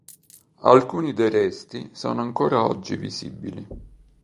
Alcuni dei resti sono ancora oggi visibili.